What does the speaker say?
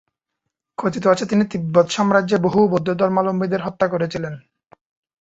কথিত আছে, তিনি তিব্বত সাম্রাজ্যে বহু বৌদ্ধ ধর্মাবলম্বীদের হত্যা করেছিলেন।